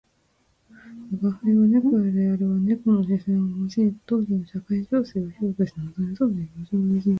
「吾輩は猫である」は猫の視線を用いて当時の社会情勢を批評した夏目漱石の小説です。